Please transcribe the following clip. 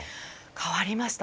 変わりました。